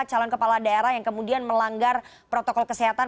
calon kepala daerah yang kemudian melanggar protokol kesehatan